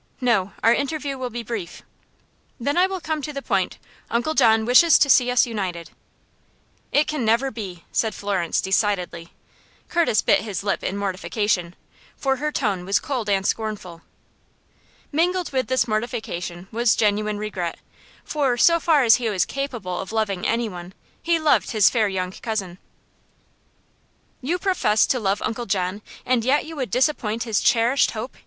"No; our interview will be brief." "Then I will come to the point. Uncle John wishes to see us united." "It can never be!" said Florence, decidedly. Curtis bit his lip in mortification, for her tone was cold and scornful. Mingled with this mortification was genuine regret, for, so far as he was capable of loving any one, he loved his fair young cousin. "You profess to love Uncle John, and yet you would disappoint his cherished hope!"